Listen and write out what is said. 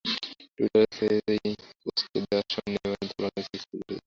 টুইটারে সেই পোস্ট দেওয়ার সময় নেইমারের দলবদল নিয়ে চলছিল জোর গুঞ্জন।